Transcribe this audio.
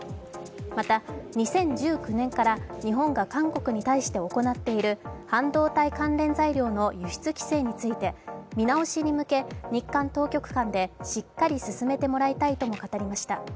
また、２０１９年から日本が韓国に対して行っている半導体関連材料の輸出規制について見直しに向け日韓当局間でしっかり進めてもらいたいとも語りました。